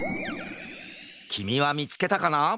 きみはみつけたかな！？